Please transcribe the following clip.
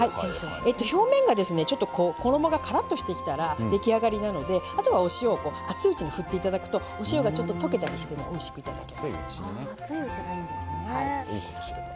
表面が衣がカラッとしてきたら出来上がりなのであとはお塩を熱いうちに振っていただくとお塩が溶けたりしておいしくなります。